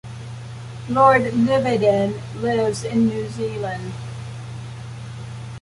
Lord Lyveden lives in New Zealand.